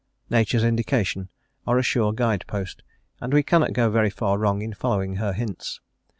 Nature's indications are a sure guide post, and we cannot go very far wrong in following her hints.